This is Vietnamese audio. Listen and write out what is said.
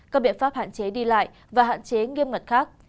các biện pháp hạn chế đi lại và hạn chế nghiêm ngặt khác